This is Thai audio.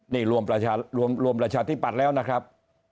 นี่รวมประชาธิปัตย์แล้วนะครับ